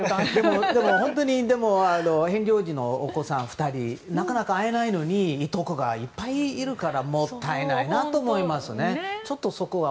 本当にヘンリー王子のお子さん２人なかなか会えないのにいとこがいっぱいいるから絶えないなと思います。